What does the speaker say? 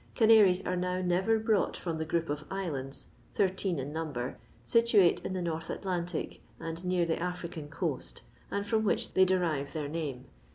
Canaries are now never brought from the group of islands, thirteen in number, situate in the North Atlantic and near the African coast, and from which they derive their name.